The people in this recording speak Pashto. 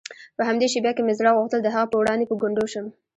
په همدې شېبه کې مې زړه غوښتل د هغه په وړاندې په ګونډو شم.